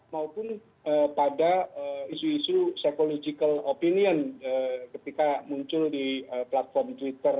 maupun pada isu isu psychological opinion ketika muncul di platform twitter